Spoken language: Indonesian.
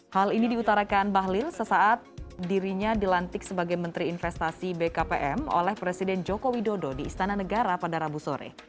hal ini diutarakan bahlil sesaat dirinya dilantik sebagai menteri investasi bkpm oleh presiden joko widodo di istana negara pada rabu sore